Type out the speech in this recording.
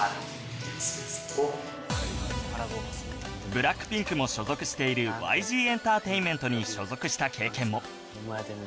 ＢＬＡＣＫＰＩＮＫ も所属している ＹＧ エンターテインメントに所属した経験も